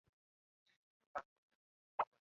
但后来少说了